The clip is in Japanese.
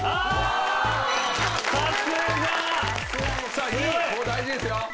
さあ２位ここ大事ですよ。